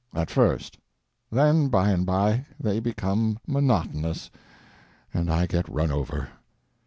At first; then by and by they become monotonous and I get run over.